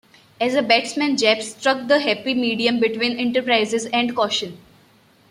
As a batsman Jupp struck the happy medium between enterprise and caution.